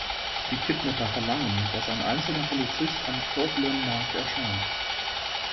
Die Kidnapper verlangen, dass ein einzelner Polizist am Kowloon Markt erscheint.